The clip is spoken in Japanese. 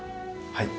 はい。